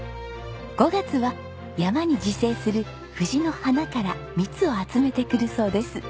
５月は山に自生するフジの花から蜜を集めてくるそうです。